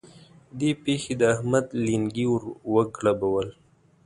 دې پېښې د احمد لېنګي ور وګړبول.